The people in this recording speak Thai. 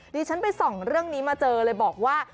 ดิฉันไปส่องเรื่องนี้มาเจอเลยบอกว่า